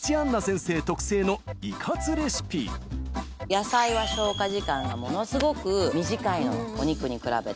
野菜は消化時間がものすごく短いのお肉に比べて。